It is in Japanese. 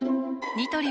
ニトリ